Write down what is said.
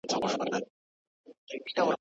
په کندهار کي د نوي ماشوم زېږون څنګه لمانځل کيږي؟